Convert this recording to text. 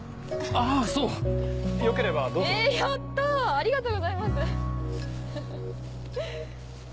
ありがとうございますフフフ。